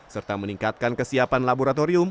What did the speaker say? serta meningkatkan kesiapan laboratorium